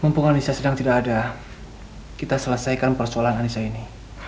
mumpung anissa sedang tidak ada kita selesaikan persoalan anissa ini